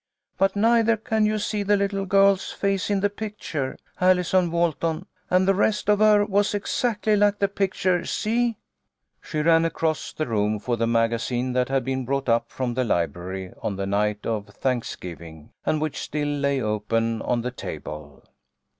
But neither can you see the little girl's face in the picture, Allison Walton, and the rest of her was exactly like the picture. See ?" She ran across the room for the magazine that had been brought up from the library on the night of Thanksgiving, and which still lay open on the table.